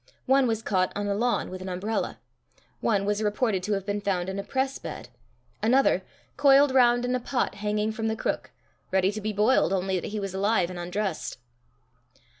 One was caught on a lawn with an umbrella; one was reported to have been found in a press bed; another, coiled round in a pot hanging from the crook ready to be boiled, only that he was alive and undressed.